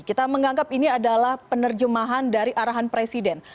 kita menganggap ini adalah penerjemahan dari arahan presiden